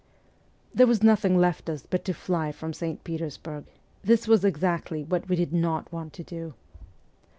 There was nothing left us but to fly from St. Peters burg : this was exactly what we did not want to do.